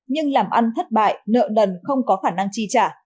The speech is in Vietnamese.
nhưng làm ăn thất bại nợ nần không có khả năng chi trả